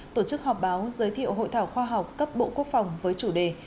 tổ chức họp báo giới thiệu hội thảo khoa học cấp bộ quốc phòng với chủ đề